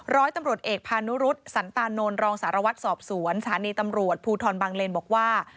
ร้อยตำรวจเอกพานุรุษสันตานนท์รองสารวัตรสอบสวนสถานีตำรวจภูทรบางเลนบอกว่า